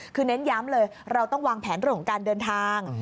คือเน้นย้ำเลยเราต้องวางแผนเรื่องของการเดินทาง